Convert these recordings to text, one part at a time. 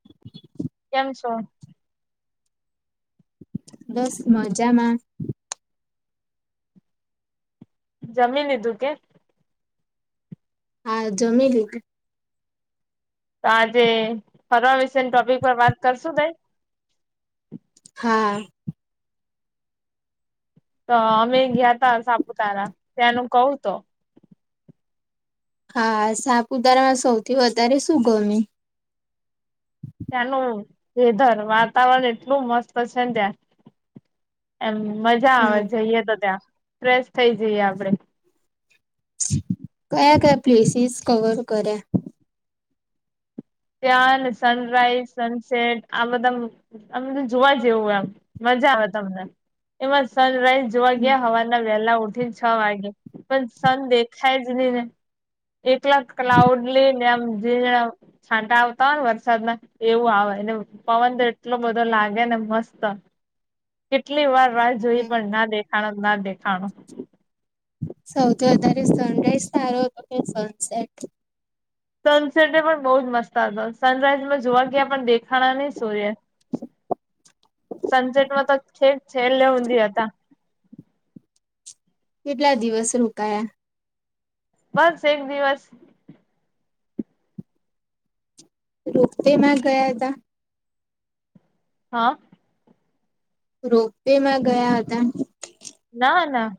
[inaudible] કેમ છો. બસ મજામાં. જમીલીધું કે. હા. જમી લીધુ. સાજે ફરવા વિશેની ટોપિક પર વાત કરશું તઈ હા. તો અમે ગયા તા સાપુતારા. ત્યાંનું કવ તો હા. સાપુતારામાં સૌથી વધારે શું ગમે. ત્યાંનું વેધર. વાતાવરણ એટલું મસ્ત છે ને ત્યાં. એમ મજા આવે હમ જઈએ તો ત્યાં. ફ્રેશ થઇ જઈએ આપડે. કયા કયા પ્લેસીસ કવર કર્યો. ત્યાં ને સનરાઈઝ સનસેટ આ બધા અમ તો જોવા જેવું એમ. મજા આવે તમને. એમાં સનરાઈઝ જોવા હમ ગયા હવાના વહેલા ઉઠીને છ વાગે. પણ સન દેખાય જ નહી ને. એકલા જ ક્લાઉડલી ને એમ ઝીણા છાંટા આવતા હોય ને વરસાદના એવું આવે ને પવન એટલો બધો લાગે ને મસ્ત. કેટલી વાર રાહ જોઈ હમ. પણ ના દેખાણો ના દેખાણો. સૌથી વધારે સનરાઈઝ સારો હતો કે સનસેટ? સનસેટને પણ બહ જ મસ્ત આવતો સનરાઈઝમાં જોવા ગયાં પણ દેખાણા નહી સૂર્ય. સનસેટમાં તો છેક છેલ ઊંધી હતા. કેટલા દિવસ રોકાયા? બસ એક દિવસ રોપવે મે ગયા ત હા રોપવે માં ગયા હતા. ના ના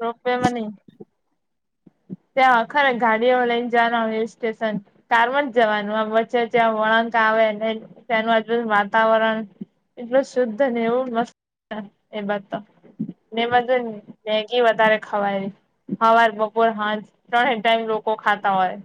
રોપવે મા નઈ. ત્યાં ખરા ગાડી વાળને જના હિલ સ્ટેશન. કારમાં જ જવાનું આ વચ્ચે વચ્ચે વળંક આવે ને ત્યાનું આજબ વાતાવરણ એટલું શુદ્ધ ને એવું મસ્ત એ બધ ને બધુંને મેગી વધારે ખવાય હવાર બોલ હા ત્રણે ટાઈમ લોકો ખાતા હોય.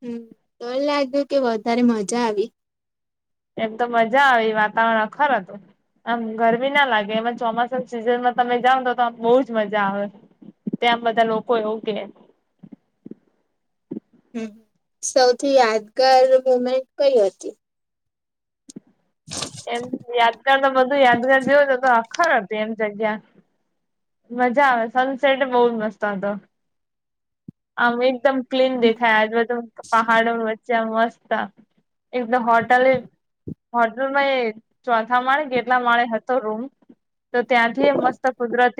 હમ મને લાગ્યું કે વધારે મજા આવી. એમ તો મજા આવી વાતાવરણ અખર હતું. આમ ગરમી ના લાગે એમાં ચોમાસા સીઝનમાં તમે જાવ તો તો આ બહુજ મજા આવે. ત્યાં બધા લોકો એવું કે હમ સૌથી યાદગાર મુમેન્ટ કઈ હતી? એમ યાદગાર તો બધું યાદગાર જેવો જ હતું. ખરાબ બે એમ જગ્યા મજા આવે સનસેટ બહ જ મસ્ત હતો આમ એકદમ ક્લીન હમ દેખાય આજ બધ પહાડો વચ્ચે મસ્ત એકદ હોટલ હોટેલમાં એ ચોથા માળે કેટલા માળે હતો રૂમ. તો ત્યાંથી મસ્ત કુદરત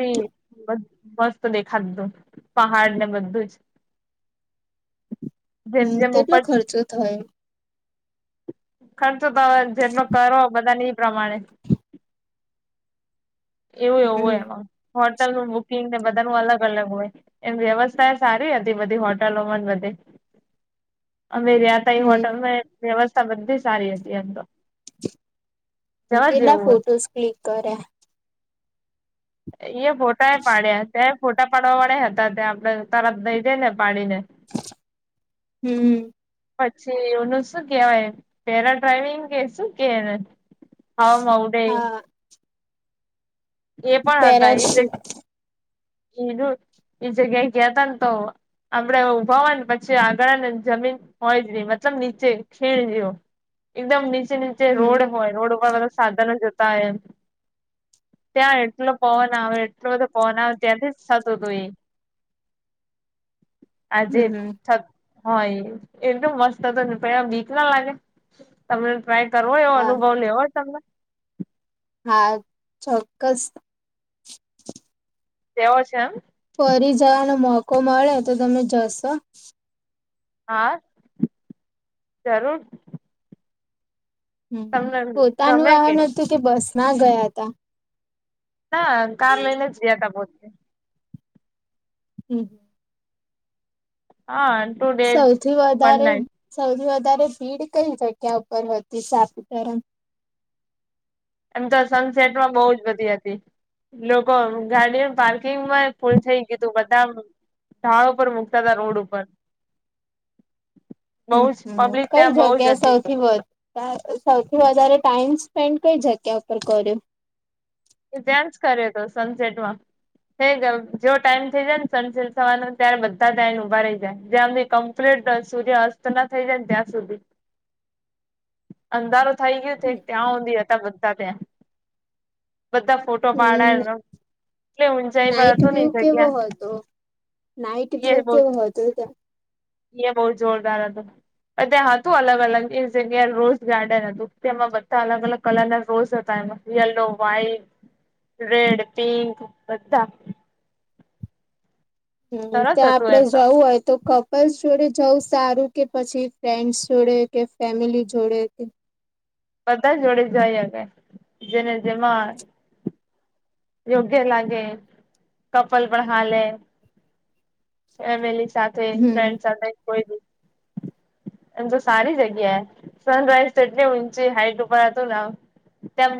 તો દેખાતુ હતુ પહાડ ને બધું જ જેમ હમ જેમ કેટલો ઉપર ખર્ચો થયો? ખર્ચો તો હ જેટલો કરો બધા પ્રમાણે એવું એવું હોય હમ એમાં હોટલ નું બુકિંગ ને બધા ન અલગ અલગ હોય. એમ વ્યવસ્થા સારી હતી બધી હોટલોમાં બધી અમે ક હોટલ હમ માં વ્યવસ્થા બધી સારી હતી એમ તો જવા કેટલા જેવું ફોટોઝ ક્લિક કર્યા? એ ફોટા પાડ્યા ત્યાંય ફોટા પાડવા વાળા હતા ત્યાં આપણે તરત દઈ જઈ ને પાડીને. હમ પછી એનું શું કેવાય પેરા ડ્રાઈવિંગ કે શું કેને હ હ હા એ પેરાશૂટ એનું એ જગ્યા એ ગયા તા ને તો આપડે ઊભા ને પછી આગળ ને જમીન હોય જ નહી મતલબ નીચે ખીણ જેવો એકદમ નીચે નીચે હમ રોડ હોય રોડ ઉપર બ સાધનો જતા હોય એમ ત્યાં એટલો પવન આવે એટલો બધો પવન આવે ત્યાંથી થતું હતું એ આજે હમ હમ હય એટલું મસ્ત હત પે બીક ના લાગે તમને કરો એ હા અનુભવ લેવોય તમને હા ચોક્કસ લેવો છે એમ ફરી જવાનો મોકો મળે તો તમે જશો? હા જરૂર હમ તમને પોતાનું ગમે આન હતું કે બસ માં ગયા હતા ના કાર લઈને જયા ત પહ હમ હા ટુ ડેઝ સૌથી વન વધારે નાઈટ સૌથી વધારે ભીડ કઈ જગ્યા ઉપર હતી સાાપીતાર એમ તો સનસેટમાં બહુ જ બધી હતી લોકો ગાડી પાર્કિંગમાં ફૂલ થઈ ગય તું બધા ાળો પર મુૂકતા ત રોડ ઉપર બહુ હમ જ હમ પબ્લિક કઈ ત્યાં બહુ જ જગ્યા હતી સૌથી વધ સૌથી વધારે ટાઈમ સ્પેન્ડ કઈ જગ્યા ઉપર કર્યું ત્યાં જ કર્યો હતો સનસેટમાં હે જો ટાઈમ થઈ જાય ને સ સલ થવાનો ત્યારે બધા જને ઉભા રહી જાય જેમ ક પ્લેટ સુધી અસ્ત ના થઈ જાય ને ત્યાં સુધી અંધારો થઇ ગયું ત્યાં ઊંધી હતા બધા ત્યાં બધા ફોટો પાડાય ન નાઇટ વ્યૂ કે બ હતો હો નાઇટ એ વ્યુ બહુ કે બ હતો હો ત એ બહુ જોરદાર હતો ત્યાં હતું અલગ અલગ એ જગ્યા રોઝ ગાર્ડન હતું તેમાં બધા અલગ અલગ કલર ના રોઝ હતા એમાં યલો વ્હાઈટ રેડ પિંક બધા હમ સરસ ત્યાં હતું આપડે એમ તો જવું હોય તો ક બસ જોડે જઉં સારું કે પછી ફ્રેન્ડસ જોડે કે ફેમિલી જોડે બધા જોડે જાયગ જેને જેમાં યોગ્ય લાગે કપલ પણ હાલે ફેમિલી સાથે તે હમ ફન્ડ સાથે કોઈ એમ તો સારી જગ્યાએ સનરાઈઝ તો એટલી ઊંચી હાઈટ ઉપર હતું ને તેમ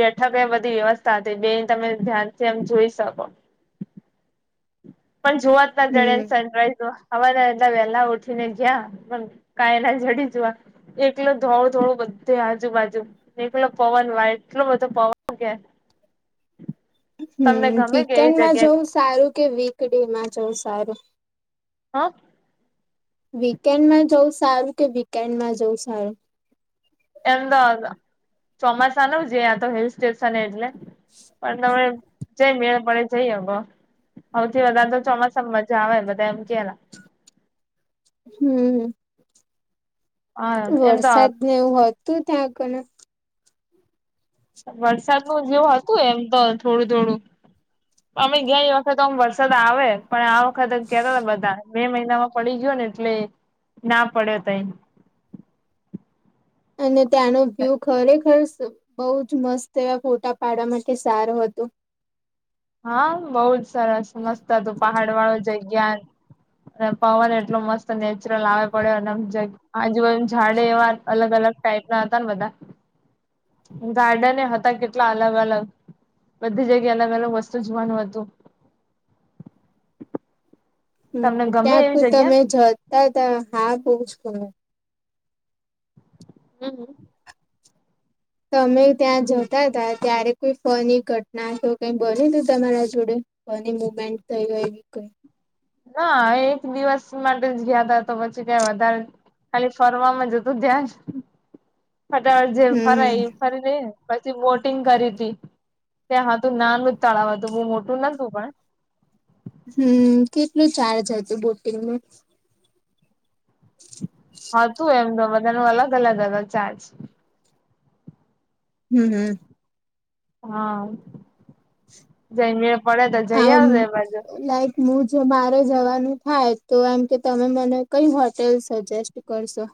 બેઠકે બધી વ્યવસ્થા હતી બે તમે ધ્યાનથી એમ જોઈ શકો પણ જોવા જ ના હમ જણ્યા સનરાઈઝ હવા એટલા વેલા ઉઠી ને ગયા પણ કાઈ ના જડી જવા એકલ ધોળું ધોળું બધે આજુબાજુ નીલો પવન વાય એટલોું બધો પવન કે હમ તમને ગમે કે એવી વીકેન્ડમાં જગ્યા જવું સારું કે વીકડે માં જવું સારું હા વીકેન્ડમાં જવું સારું કે વીકેન્ડમાં જવું સારું એમ તો ચોમાસા ન છે તો હિલ સ્ટેશન એટલે પણલા જઈ મેળ પડે જઈ હગો સૌથી વધારે તો ચોમાસામાં મજા આવે બધા એમ કેલા હમ હા એમ તો વરસાદને એવું હતું ત્યાં આગળ વરસાદ ન જેવ હતું એમ તો થોડું થોડું અમે ગયા એ વખતે તો આમ વરસાદ આવે પણ ખતમ કેતા હતા બધા મે મહિનામાં પડી ગયો ને એટલે ના પડ્યો ત અને ત્યાંનો વ્યુ ખરેખર છે બઉ જ મસ્ત એવા ફોટા પાડવા માટે સારું હતોું હા બહુ જ સરસ મસ્ત હતું પહાડ વાળો જગ્યા અને પવન એટલો મસ્ત નેચરલ આવે પડ્યો અનેમ જગ્યા આજુ ઝાડે એવા અલગ અલગ ટાઈપ ના હતા ને બધા ગાર્ડન એ હતા કેટલા અલગ અલગ બધી જગ્યા અલગ અલગ વસ્તુ સુજવન હતુ હમ તમને ગમે ત્યાં એવી કોઈ જગ્યા તમે જતા ત્યા હા બઉ છને હમ તો અમે ત્યાં જતા હતા ત્યારે કોઈ ફની ઘટના તો કઈ બની તી તમારા જોડે ફની મુમેન્ટ થઈ હોય એવી કઈ ના એક દિવસ માટે જ ગયા તા તો પછી ત્યાં વધારે ખાલી ફરવાવામાં જ હતું ધ્યાન ફટાફટ જે હમ ફરાય એ ફરી લઈને પછી બોટિંગ કરી હતી ત્યાં હતું નાનું જ તળાવ હતું બહુ મોટું નતું પણ હમ્મ કેટલું ચાર્જ હતું બોટિંગ નુ હતું એમ તો પણ એનું અલગ અલગ અલગ ચાર્જ હમ્મ હમ્મ. હા જન્ય આ લાઈક મુ જો મારે જવાનું થાય તો એમ કે તમે મને કઈ હોટેલ સજેસ્ટ કરશો.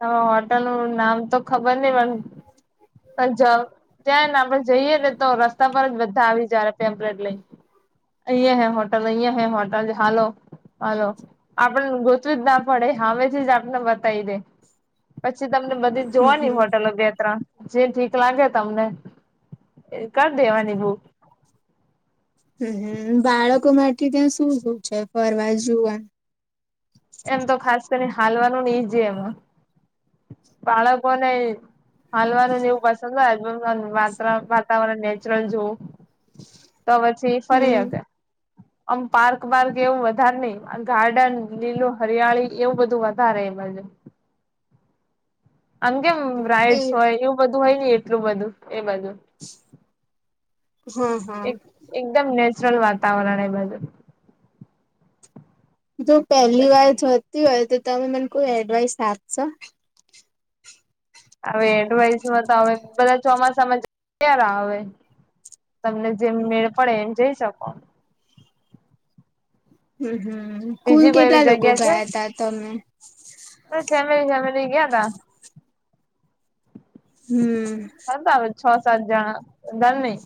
હ હોટલ નું નામ તો ખબર નહિ પણ પણ જ ત્યાં ને આપડે જઈએ ને તો રસ્તા પર જ બધા આવી જ્યારે પેમ્પલેટ લઈન અહીંયા હે હોટલ અહીંયા હે હોટલ હાલો. હાલો આપડે ગોતવું જ ના પડે હામેથી જ આપને બતાવી દે પછી તમને બધી જ હમ હમ જોવાની હોટલો બે ત્રણ જે ઠીક લાગે તમને કર દેવાની બૂક હમ્મ બાળકો માટે ત્યાં શું શું છે ફરવા જોવા એમ તો ખાસ કરીને હાલવાનું એજ હે એમા બાળકોને હાલવાનુંને એવું પસંદ હોય વાતા વાતાવરણ નેચરલ જોવું તો પછી ફરી હમ હકે આમ પાર્ક બારક એવું વધારે નહિ ગાર્ડન લીલો હરિયાળી એવું બધું વધારે એ બાજુ આમ કેમ તે બ્રાઈડસ હોય એવું બધું હોય ને એટલું બધું એ બાજુ હમ્મ હા. એક એકદમ નેચરલ વાતાવરણ એ બાજુ જો પહેલી વાર જતી હોય તો તમે મને કોઈ એડવાઈસ આપશો. હવે એડવાઈસમાં તો હવે બધા ચોમાસામાં જ કેરા હવે તમને જેમ મેળ પડે એમ જઈ શકો હમ્મ હમ્મ કુલ બીજી કોઈ એવી કેટલા લોકો ગયા તા તમે બસ ફેમેલી ફેમેલી ગયા તા હમ્મ. હતા છ સાત જણા વધાર નહી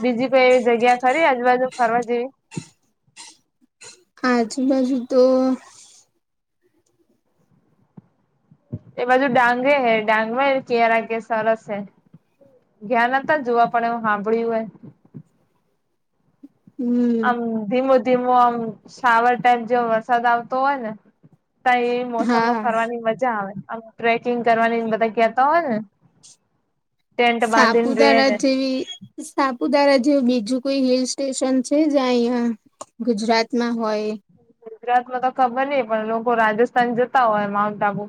બીજી કોઈ એવી જગ્યા ખરી આજુબાજુ ફરવા જેવી આજુ બાજુ તો એ બાજુ ડાંગે હે ડાંગમાં કેરા કે સરસ હે. ગયા નતા જોવા પણ એવું સાંભળ્યું હે હમ આમ ધીમો ધીમો આમ શ્રાવર ટાઈમ જેઓ વરસાદ આવતો હોય ને તઈ હા મોસમમાં ફરવાની મજા આવે આમ ટ્રેકિંગ કરવાની બધા કેતા હોય ને ટેન્ટ બાંધીન રેને ઈ સાપુતારા જેવું બીજું કોઈ હિલ સ્ટેશન છે જ્યાં અહીંયા ગુજરાતમાં હોય એવું ગુજરાતમાં તો ખબર નઈ પણ લોકો રાજસ્થાન જતા હોય માઉન્ટ આબુ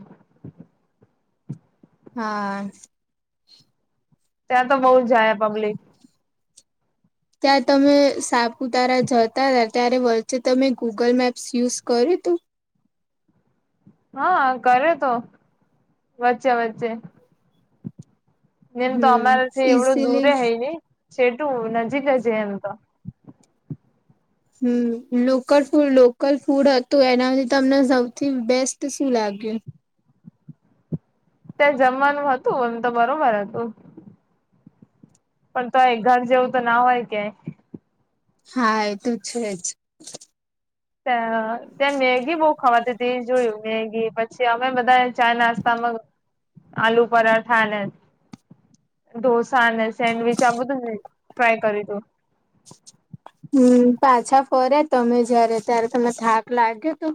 હા. ત્યાં તો બઉ જાય પબ્લિક ત્યાં તમે સાપતારા જતા હતા, ત્યારે વચ્ચે તમે ગુગલ મેપ્સ યુઝ કર્યું તું? હા કર્યો તો, વચ્ચે વચ્ચે. ને એમ તો હમ અમારાથી એવડું ઈઝીલી દૂરે હય ની, છેટું નજીકજ જીયે એમ તો. હમ્મ લોકલ ફૂડ, લોકલ ફૂડ હતું એનાથી તમને સૌથી બેસ્ટ શું લાગ્યું? ત્યાં જમવાનું હતું, એમ તો બરોબર હતું. પણ તોએ ઘર જેવું તો ના હોયકે. હા એ તો છેજ. ત ત્યાં મેગી બહુ ખાવાતી હતી ઈ જોયું, મેગી, પછી અમે બધાએ ચા નાસ્તામાં આલુ પરાઠા ને ઢોસા ને, સેન્ડવીચ આ બધું ટ્રાય કર્યું તું. હમ્મ, પાછા ફર્યા તમે જય્યારે, ત્યારે તમને થાક લાગ્યો તો?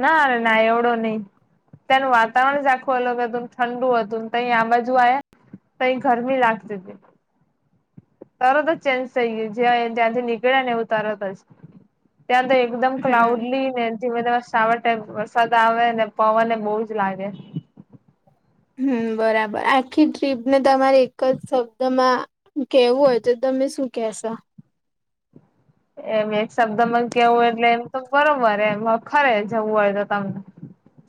ના રે ના એવડો નહી. ત્યાંનું વાતાવરણ જ આખું અલગ હતુંન ઠંડુ હતું, તહીં આ બાજુ આયા પહી ગરમી લાગતી તી. તરત જ ચેન્જ થઈ ગયુ, જ્યારે ત્યાંથી નીકળ્યાને એવું તરત જ, ત્યાં તો એ કદમ હમ ક્લાઉડલી, ને ધીમે ને સાવર ટાઇપ વરસાદ આવે, ને પવનને બહુ જ લાગે. હમ્મ બરાબર, આખી ટ્રીપ ને તમારે એકજ શબ્દમાં કેવું હોય તો, તમે શું કેશો? એમ એક શબ્દ માં કેવું એટલે એમ તો બરોબર એમ, અખરે જવું હોય તો તમન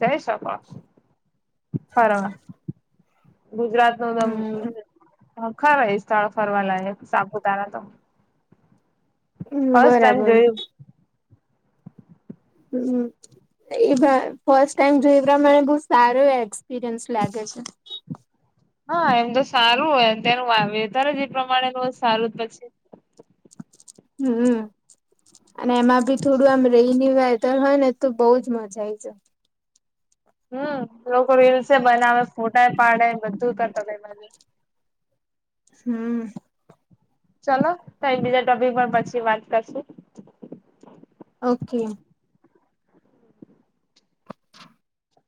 જઈ શકો, પરણ ગુજરાત નો તમ, હમ અ ખર એ સ્થળ ફરવા લાયક સાપુતારા તો. હમ્મ ફર્સ્ટ ટાઈમ બરાબર. જોયું હમ્મ હમ્મ એ ભા, ફર્સ્ટ ટાઈમ જોયુ એ પ્રમાણે બહુ સારો એક્સપિરયન્સ લાગે છે. હા એમ તો સારું હોય, તેનું વા વેધરજ એ પ્રમાણેનું સારુંજ પછી. હમ્મ, અને એમાં ભી થોડું આમ રોહની વે ધર હોયને, તો બઉજ મજા આઈ જો. હમ્મ, લોકો રીલ્સે બનાવે, ફોટાએ પાડે, બધું કરતા એ બહાને. હમ્મ ચલો, કાઈ બીજા ટોપિક પર પછી વાત કરશું. ઓકે